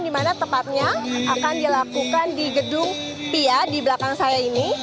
di mana tepatnya akan dilakukan di gedung pia di belakang saya ini